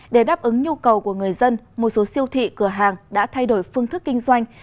để đáp ứng nhu cầu của người dân một số siêu thị cửa hàng đã thay đổi phương thức kinh doanh